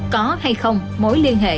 có hay không mối liên hệ